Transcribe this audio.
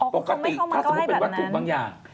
ปกติถ้าสมมุติเป็นวัตถุบางอย่าง